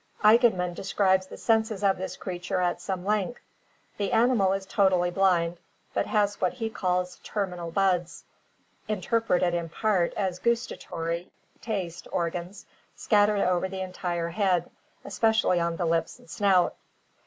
Eigenmann describes the senses of this creature at some length. The animal is totally blind, but has what he calls "terminal buds," interpreted in part as gustatory (taste) organs CAVE AND DEEP SEA LIFE 377 scattered over the entire head, especially on the lips and snout.